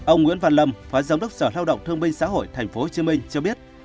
ông nguyễn văn lâm phó giám đốc sở lao động thương binh xã hội tp hcm cho biết